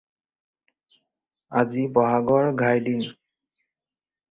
আজি বহাগৰ ঘাই দিন